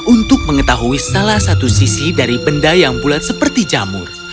untuk mengetahui salah satu sisi dari benda yang bulat seperti jamur